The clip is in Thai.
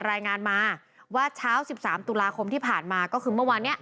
รายงานมาว่าเช้า๑๓ตุลาคมที่ผ่านมาก็คือเมื่อวานนี้